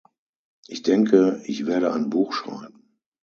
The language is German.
Ich denke, ich werde ein Buch schreiben.